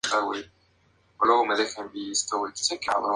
Si el valor común es cero, el juego se convierte en un sinsentido.